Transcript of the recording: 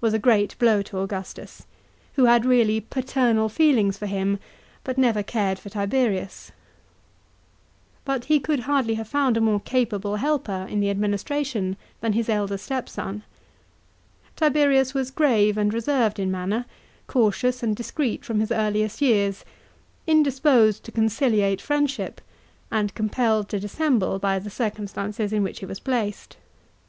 was a great blow to Augustus, who had really "paternal feelings" for him but never cared for Tiberius But he could hardly have found a more capable helper in the administration than his elder stepson. Tiberius was grave and reserved in manner, cautious and discreet from his earliest years, indisposed to conciliate friendship, and compelled to dissemble by the circumstances in which he was placed.